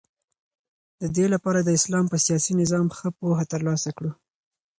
ددې لپاره چی د اسلام په سیاسی نظام ښه پوهه تر لاسه کړو